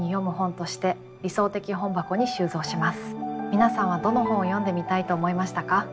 皆さんはどの本を読んでみたいと思いましたか？